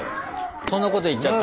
そんなこと言っちゃった。